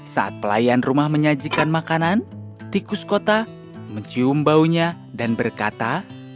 saat pelayan rumah menyajikan makanan tikus kota mencium baunya dan berkata